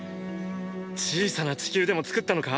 小さな地球でも作ったのか？